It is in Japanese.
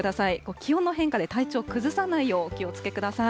気温の変化で体調崩さないようお気をつけください。